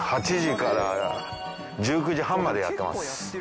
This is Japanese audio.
８時から１９時半までやってます。